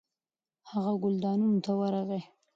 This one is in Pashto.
هغه ګلدانونو ته ورغی.